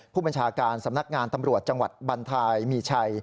ผู้บัญชาการสำนักงานตำรวจจังหวัดบรรทายมีชัย